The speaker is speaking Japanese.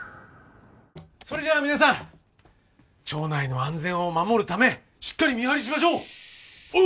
それじゃあ皆さん町内の安全を守るためしっかり見張りしましょう！